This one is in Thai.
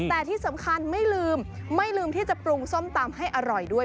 แต่ที่สำคัญไม่ลืมไม่ลืมที่จะปรุงส้มตำให้อร่อยด้วย